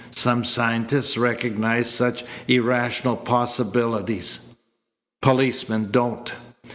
Some scientists recognize such irrational possibilities. Policemen don't."